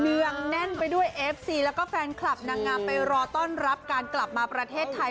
เนืองแน่นไปด้วยเอฟซีแล้วก็แฟนคลับนางงามไปรอต้อนรับการกลับมาประเทศไทย